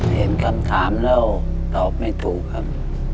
เห็นคำถามแล้วตอบไม่ถูกครับ